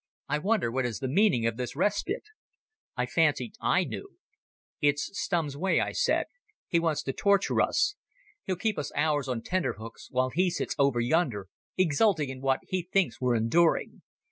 I wonder what is the meaning of this respite?" I fancied I knew. "It's Stumm's way," I said. "He wants to torture us. He'll keep us hours on tenterhooks, while he sits over yonder exulting in what he thinks we're enduring.